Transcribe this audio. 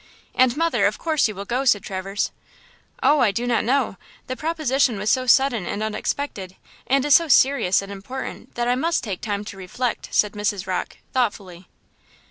"And mother, of course, you will go," said Traverse. "Oh, I do not know! The proposition was so sudden and unexpected, and is so serious and important, that I must take time to reflect," said Mrs. Rocke, thoughtfully.